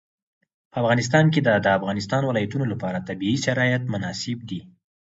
په افغانستان کې د د افغانستان ولايتونه لپاره طبیعي شرایط مناسب دي.